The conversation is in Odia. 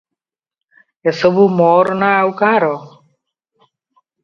ଏସବୁ ମୋର ନା ଆଉ କାହାର?